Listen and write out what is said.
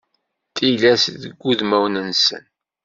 Tillas deg wudmawen-nsen.